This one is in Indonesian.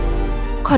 ibu aku mau ke rumah